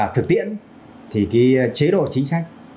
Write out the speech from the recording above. thực tiễn thì chế độ chính sách